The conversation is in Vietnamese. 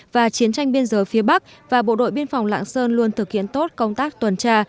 và chiến tranh biên giới phía bắc và bộ đội biên phòng lạng sơn luôn thực hiện tốt công tác tuần tra